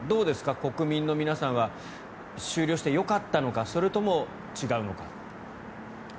国民の皆さんは終了してよかったのかそれとも違うのか。